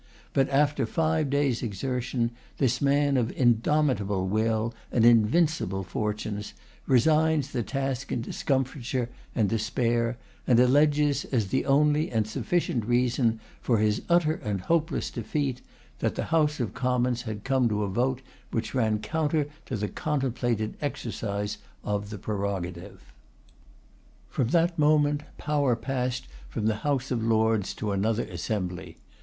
But after five days' exertion, this man of indomitable will and invincible fortunes, resigns the task in discomfiture and despair, and alleges as the only and sufficient reason for his utter and hopeless defeat, that the House of Commons had come to a vote which ran counter to the contemplated exercise of the prerogative. From that moment power passed from the House of Lords to another assembly.